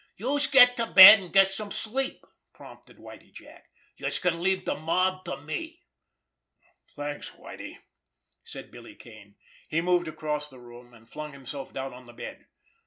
"Youse get to bed, an' get some sleep!" prompted Whitie Jack. "Youse can leave de mob to me." "Thanks, Whitie," said Billy Kane. He moved across the room, and flung himself down on the bed.